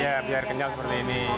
iya biar kenyal seperti ini